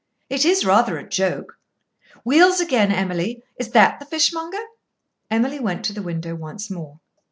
"It is rather a joke. Wheels again, Emily. Is that the fishmonger?" Emily went to the window once more.